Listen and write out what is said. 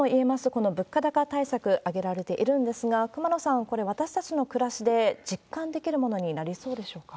この物価高対策、挙げられているんですが、熊野さん、これ、私たちの暮らしで実感できるものになりそうでしょうか。